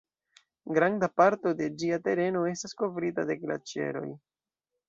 Granda parto de ĝia tereno estas kovrita de glaĉeroj.